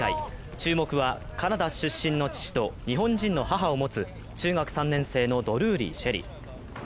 注目はカナダ出身の父と日本人の母を持つ中学３年生のドルーリー朱瑛里。